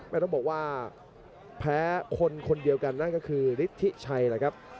ต้องบอกว่าแพ้คนคนเดียวกันนั่นก็คือฤทธิชัยแหละครับ